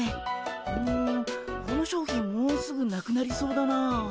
うんこの商品もうすぐなくなりそうだなあ。